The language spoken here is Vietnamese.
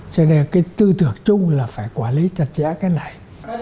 cho nên cái tư tưởng chung là phải quản lý chặt chẽ cái này